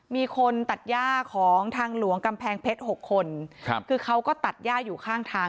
มีคนตัดย่าของทางหลวงกำแพงเพชรหกคนครับคือเขาก็ตัดย่าอยู่ข้างทาง